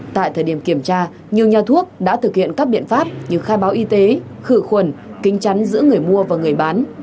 tại thời điểm kiểm tra nhiều nhà thuốc đã thực hiện các biện pháp như khai báo y tế khử khuẩn kính chắn giữa người mua và người bán